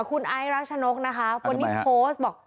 คุณไอส์รัชานกวันนี้โฟสต์บอก